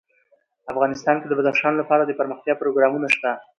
افغانستان کې د بدخشان لپاره دپرمختیا پروګرامونه شته.